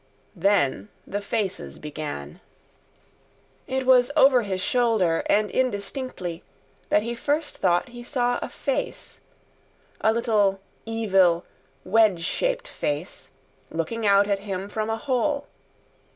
Then the faces began. It was over his shoulder, and indistinctly, that he first thought he saw a face; a little evil wedge shaped face, looking out at him from a hole.